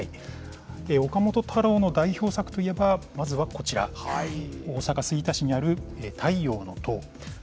岡本太郎の代表作といえば、まずはこちら、大阪・吹田市にある太陽の塔。